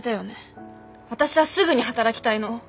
私はすぐに働きたいの。